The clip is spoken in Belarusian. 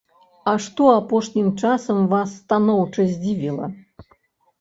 А што апошнім часам вас станоўча здзівіла?